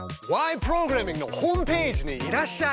プログラミング」のホームページにいらっしゃい！